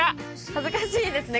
恥ずかしいですね。